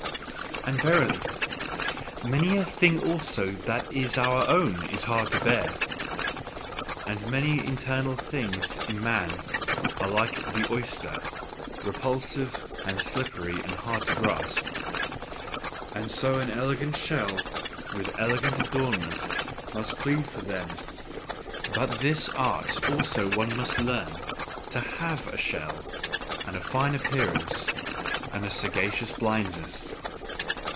And verily! Many a thing also that is OUR OWN is hard to bear! And many internal things in man are like the oyster repulsive and slippery and hard to grasp; So that an elegant shell, with elegant adornment, must plead for them. But this art also must one learn: to HAVE a shell, and a fine appearance, and sagacious blindness!